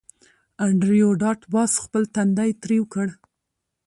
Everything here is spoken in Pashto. انډریو ډاټ باس خپل تندی ترېو کړ